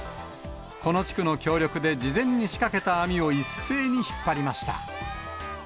この地区の協力で、事前に仕掛けた網を一斉に引っ張りました。